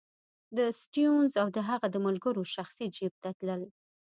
د سټیونز او د هغه د ملګرو شخصي جېب ته تلل.